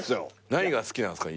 何が好きなんすか？